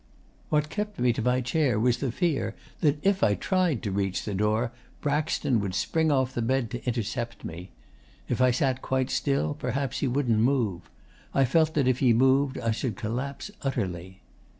'What kept me to my chair was the fear that if I tried to reach the door Braxton would spring off the bed to intercept me. If I sat quite still perhaps he wouldn't move. I felt that if he moved I should collapse utterly.